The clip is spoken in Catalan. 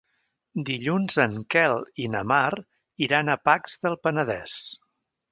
Dilluns en Quel i na Mar iran a Pacs del Penedès.